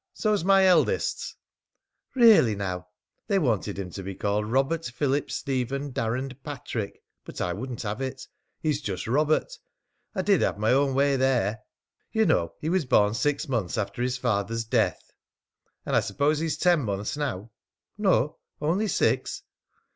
So's my eldest's!" "Really now! They wanted him to be called Robert Philip Stephen Darrand Patrick. But I wouldn't have it. He's just Robert. I did have my own way there! You know he was born six months after his father's death." "And I suppose he's ten months now?" "No; only six."